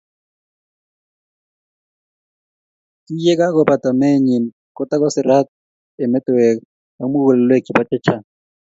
kiyekakobata meenyin ko tokosirat eng metewek ak mukulelwek chebo chechang